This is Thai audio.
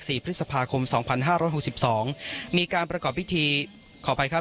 พฤษภาคมสองพันห้าร้อยหกสิบสองมีการประกอบพิธีขออภัยครับ